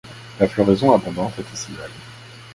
La floraison, abondante, est estivale.